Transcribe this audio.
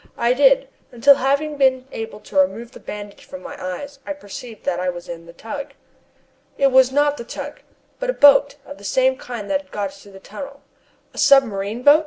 "I did, until having been able to remove the bandage from my eyes, I perceived that I was in the tug." "It was not the tug, but a boat of the same kind that had got through the tunnel." "A submarine boat?"